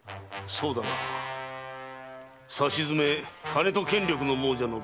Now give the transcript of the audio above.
そうだなさしずめ金と権力の亡者の化け物屋敷か？